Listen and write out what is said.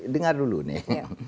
dengar dulu nih